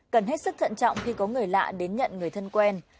cần hết sức thận trọng khi có người lạ đến nhận người thân quen